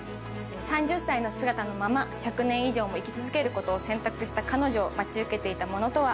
３０歳の姿のまま１００年以上も生き続けることを選択した彼女を待ち受けていたものとは？